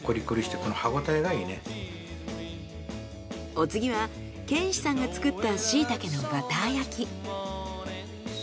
お次は賢志さんが作ったしいたけのバター焼き。